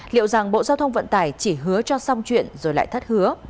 liệu rằng bộ giao thông vận tải chỉ hứa cho xong chuyện rồi lại thất hứa